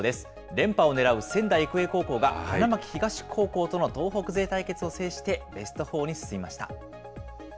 連覇を狙う仙台育英高校が花巻東高校との東北勢対決を制して、ベストフォーに進みました。